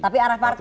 tapi arah partai